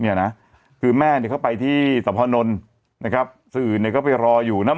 เนี่ยนะคือแม่เนี่ยเข้าไปที่สะพอนนท์นะครับสื่อเนี่ยก็ไปรออยู่นะ